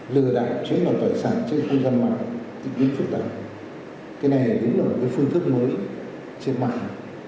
lừa đảo trên không gian mạng tình hình phức tạp cái này đúng là một phương thức mới trên mạng